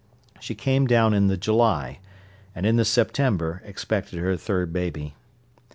She came down in the July, and in the September expected her third baby.